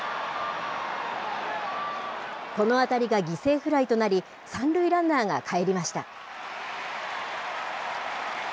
この当たりが犠牲フライとなり、３塁ランナーがかえりました。